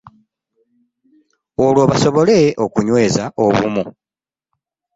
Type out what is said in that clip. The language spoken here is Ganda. Olwo basobole okunyweza obumu